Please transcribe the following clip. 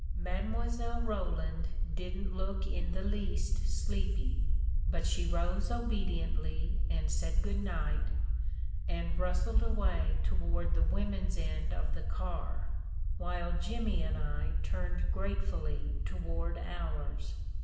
Mile. Roland didn't look in the least sleepy, but she rose bbediently, and said good night, and rustled away toward the women's end of the car, while Jimmy and I turned gratefully toward ours.